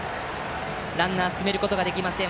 ランナー進めることができません。